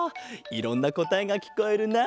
いろんなこたえがきこえるな。